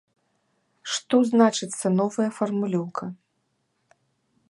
Што значыцца новая фармулёўка?